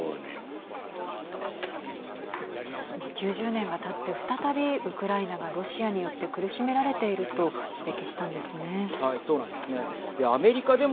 ９０年がたって再びウクライナがロシアによって苦しめられていると指摘したんですね。